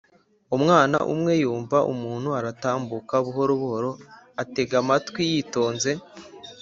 Umwana umwe yumva umuntu aratambuka buhoro atega amatwi yitonze